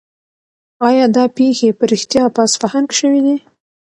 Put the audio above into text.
آیا دا پېښې په رښتیا په اصفهان کې شوې دي؟